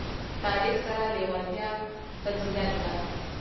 تاریخ سره لېوالتیا فضیلت ده.